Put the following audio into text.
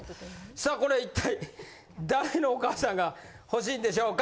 さあこれは一体誰のお母さんが欲しいんでしょうか？